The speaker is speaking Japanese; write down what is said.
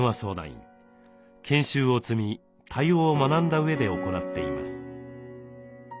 研修を積み対応を学んだうえで行っています。